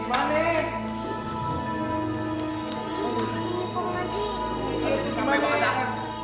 semuanya ada di sini kong